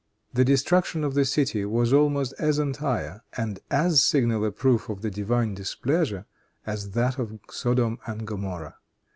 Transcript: The destruction of the city was almost as entire and as signal a proof of the divine displeasure as that of Sodom and Gomorrah.